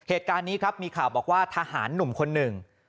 เหตุการณ์นี้ครับมีข่าวบอกว่าทหารหนุ่มคนหนึ่ง